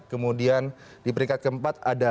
kemudian di peringkat keempat ada